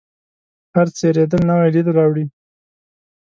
هره څیرېدل نوی لید راوړي.